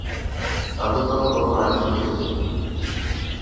আমি তখনো ভার্জিন থেকে যাই।